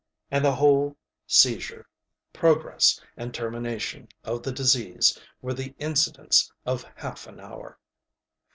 And the whole seizure, progress and termination of the disease, were the incidents of half an hour.